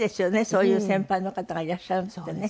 そういう先輩の方がいらっしゃるってね。